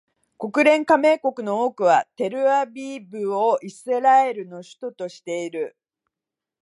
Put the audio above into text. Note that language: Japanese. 国連加盟国の多くはテルアビブをイスラエルの首都としている